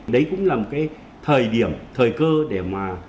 đấy cũng là một cái thời điểm thời cơ để mà